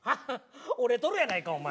折れとるやないかお前。